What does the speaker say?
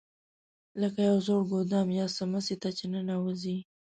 لکه یو زوړ ګودام یا څمڅې ته چې ننوځې.